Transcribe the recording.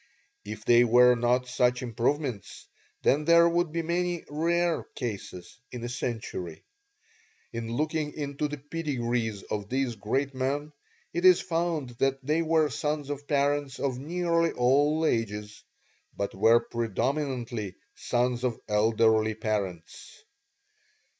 If they were not such improvements, then there would be many 'rare' cases in a century. In looking into the pedigrees of these great men it is found that they were sons of parents of nearly all ages, but were predominantly sons of elderly parents.